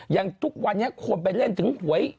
อย่างทุกวันนี้คนไปเล่นถึงหวย